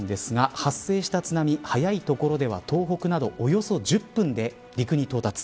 発生した津波が早い所では東北など、およそ１０分で陸に到達。